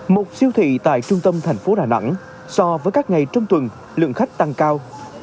một siêu thị tại trung tâm thành phố đà nẵng so với các ngày trong tuần lượng khách tăng cao